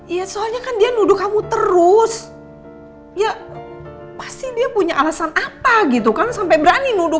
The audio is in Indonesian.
iya soalnya kan dia nuduh kamu terus ya pasti dia punya alasan apa gitu kan sampai berani nuduh